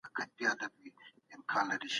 حق به تل پر باطل بریالی وي.